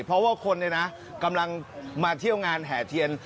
เพราะว่าคนเนี่ยนะกำลังมาเที่ยวงานแห่เทียน